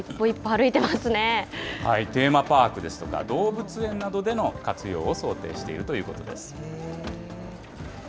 テーマパークですとか、動物園などでの活用を想定しているということです。